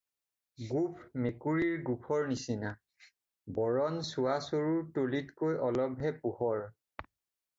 গোফ মেকুৰীৰ গোফৰ নিচিনা, বৰণ চুৱা চৰুৰ তলিতকৈ অলপহে পোহৰ।